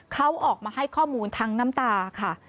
เขาออกมาให้ข้อมูลทั้งน้ำตาค่ะ